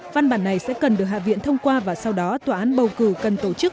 văn bản này sẽ cần được hạ viện thông qua và sau đó tòa án bầu cử cần tổ chức